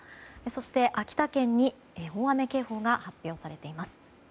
そして秋田県に大雨警報が発表されています。